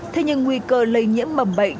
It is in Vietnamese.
thế nhưng nguy cơ lây nhiễm mầm bệnh